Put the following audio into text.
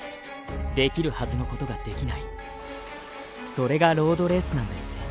それがロードレースなんだよね。